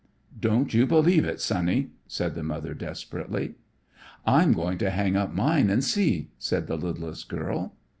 "Don't you believe it, Sonny," said the mother desperately. "I'm going to hang up mine and see," said the littlest girl.